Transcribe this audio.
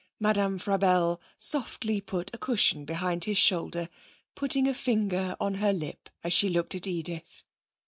Madame Frabelle softly put a cushion behind his shoulder, putting a finger on her lip as she looked at Edith.